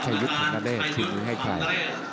ชายุทของนัลเล่ชื่อให้ใคร